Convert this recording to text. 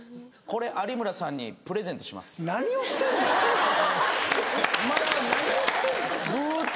これ有村さんにプレゼントしますえっ？